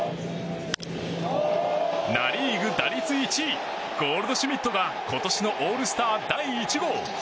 ナ・リーグ打率１位ゴールドシュミットが今年のオールスター第１号。